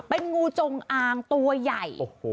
เป็นงูจงอางตัวใหญ่